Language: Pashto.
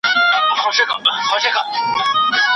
پر دې لاره مي پل زوړ سو له کاروان سره همزولی